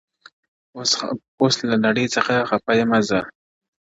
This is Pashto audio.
o اوس له نړۍ څخه خپه يمه زه،